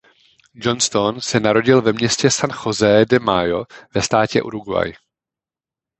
Johnston se narodil ve městě San José de Mayo ve státě Uruguay.